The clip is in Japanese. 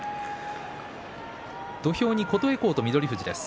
土俵に琴恵光と翠富士です。